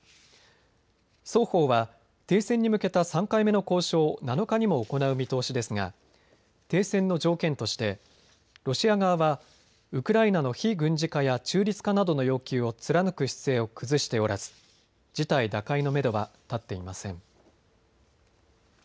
双方は停戦に向けた３回目の交渉を７日にも行う見通しですが停戦の条件としてロシア側はウクライナの非軍事化や中立化などの要求を貫く姿勢を崩しておらず事態打開のめどは立っていません。